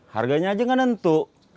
harganya aja gak tentu